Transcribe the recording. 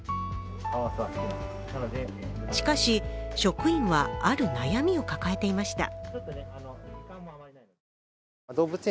しかし、職員はある悩みを抱えていました。